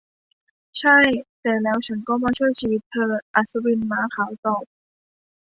'ใช่ แต่แล้วฉันก็มาช่วยชีวิตเธอ !' อัศวินม้าขาวตอบ